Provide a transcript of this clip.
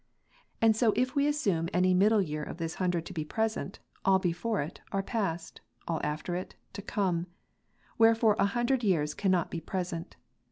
And so if we assume any middle year of this hundred to be present, all before it, are past ; all after it, to come ; wherefore an hundred years cannot be present.